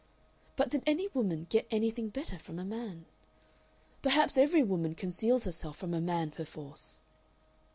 But did any woman get anything better from a man? Perhaps every woman conceals herself from a man perforce!...